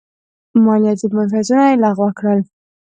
مالیاتي معافیتونه یې لغوه کړل.